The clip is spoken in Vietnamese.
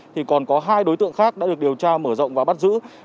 thì còn có hai đối tượng khác đã được điều tra mở rộng và bắt giữ